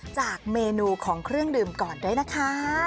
จากเมนูของเครื่องดื่มก่อนด้วยนะคะ